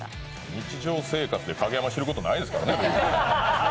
日常生活でカゲヤマ知ることはないですからね